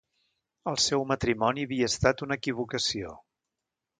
El seu matrimoni havia estat una equivocació.